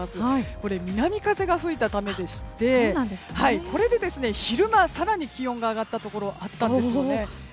南風が吹いたためでしてこれで昼間、更に気温が上がったところがあったんです。